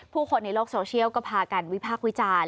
คนในโลกโซเชียลก็พากันวิพากษ์วิจารณ์